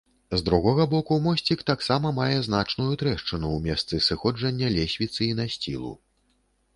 З другога боку мосцік таксама мае значную трэшчыну ў месцы сыходжання лесвіцы і насцілу.